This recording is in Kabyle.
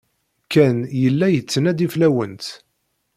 Ken yella yettnadi fell-awent.